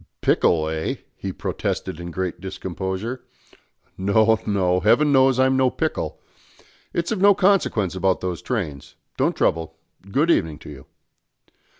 "Pickle, eh?" he protested in great discomposure. "No, no. Heaven knows I'm no pickle. It's of no consequence about those trains. Don't trouble. Good evening to you."